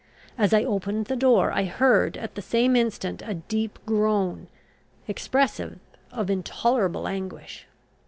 As I opened the door, I heard at the same instant a deep groan, expressive of intolerable anguish.